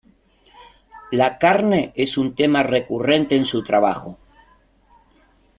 La carne es un tema recurrente en su trabajo.